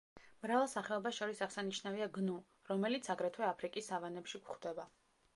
მრავალ სახეობას შორის აღსანიშნავია გნუ, რომელიც აგრეთვე აფრიკის სავანებში გვხვდება.